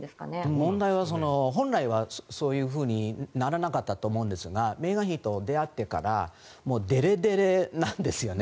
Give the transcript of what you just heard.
問題は、本来はそういうふうにならなかったと思うんですがメーガン妃と出会ってからデレデレなんですよね。